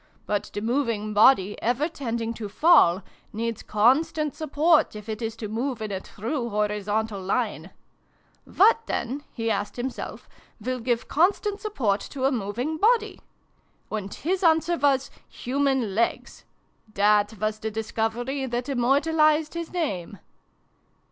But the moving body, ever tending to fall, needs constant support, if it is to move in a true horizontal line. ' What, then/ he asked himself, ' will give constant support to a mov ing body ?' And his answer was ' Human legs !' That was the discovery that immor talised his name